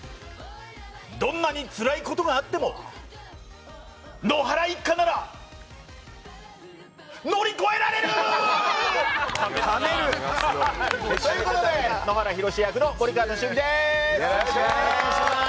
どんなにつらいことがあっても野原一家なら乗り越えられる！ということで野原ひろし役の森川智之です。